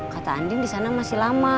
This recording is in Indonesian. kata andin di sana masih lama